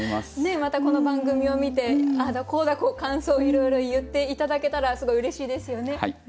またこの番組を見てああだこうだ感想をいろいろ言って頂けたらすごいうれしいですよね。